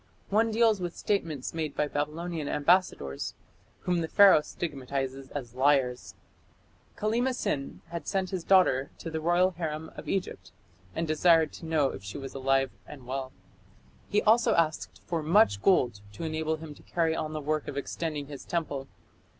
One deals with statements made by Babylonian ambassadors, whom the Pharaoh stigmatizes as liars. Kallima Sin had sent his daughter to the royal harem of Egypt, and desired to know if she was alive and well. He also asked for "much gold" to enable him to carry on the work of extending his temple.